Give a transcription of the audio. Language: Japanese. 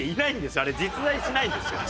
あれ実在しないんですよ。